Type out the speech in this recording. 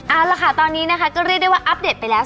เอาละค่ะตอนนี้นะคะก็เรียกได้ว่าอัปเดตไปแล้ว